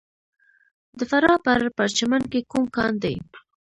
د فراه په پرچمن کې کوم کان دی؟